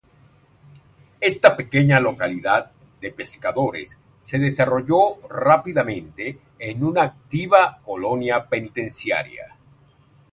Esta pequeña localidad de pescadores se desarrolló rápidamente en una activa colonia penitenciaria.